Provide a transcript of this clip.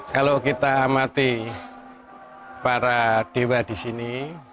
kalau kita amati para dewa di sini